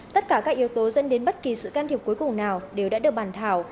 tất cả các yếu tố dẫn đến bất kỳ sự can thiệp cuối cùng nào đều đã được bàn thảo